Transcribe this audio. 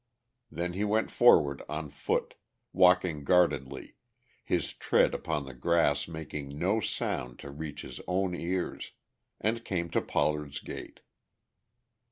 Then he went forward on foot, walking guardedly, his tread upon the grass making no sound to reach his own ears, and came to Pollard's gate.